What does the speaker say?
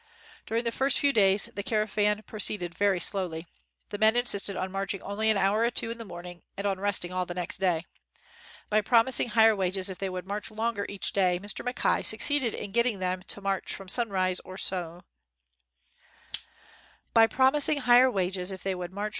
During the first few days, the caravan proceeded very slowly. The men insisted on marching only an hour or two in the morning and on resting all the next day. By promising higher wages if they would march longer each day, Mr. Mackay suc ceeded in getting them to march from sun rise or soon after until about noon.